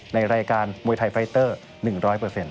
ในรายการมวยไทยไฟเตอร์๑๐๐